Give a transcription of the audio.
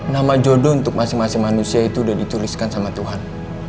nama jodoh untuk masing masing manusia itu sudah dituliskan sama tuhan